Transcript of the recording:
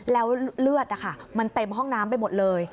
แล้วเลือดมันเต็มห้องน้ำไปหมดเลย